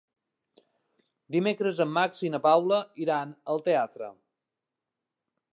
Dimecres en Max i na Paula iran al teatre.